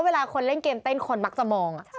เวลาคนเล่นเกมเต้นคนมักจะมอง